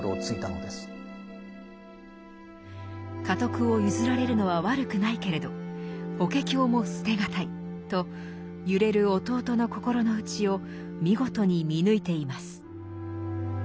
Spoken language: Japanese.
家督を譲られるのは悪くないけれど「法華経」も捨て難いと揺れる弟の心の内を見事に見抜いています。